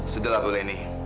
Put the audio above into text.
sudahlah bu lenny